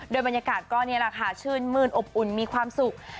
โดยบรรยากาศก็นี่แหละค่ะชื่นมื้นอบอุ่นมีความสุข